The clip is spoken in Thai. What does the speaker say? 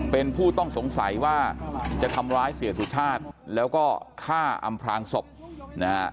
เป็นผู้ต้องสงสัยว่าจะทำร้ายเสียสุชาติแล้วก็ฆ่าอำพลางศพนะฮะ